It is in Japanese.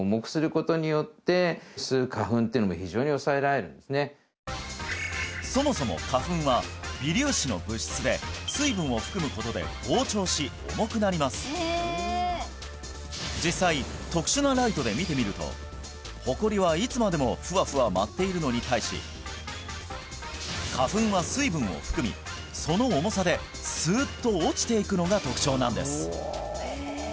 そこでこのあとはへそうかそもそも花粉は実際特殊なライトで見てみるとほこりはいつまでもフワフワ舞っているのに対し花粉は水分を含みその重さでスーッと落ちていくのが特徴なんです